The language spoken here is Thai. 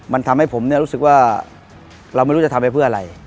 มันทำให้ผมรู้สึกว่าเราไม่รู้จะทำไปเพื่ออะไร